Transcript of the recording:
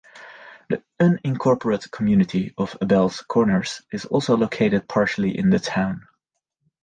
The unincorporated community of Abells Corners is also located partially in the town.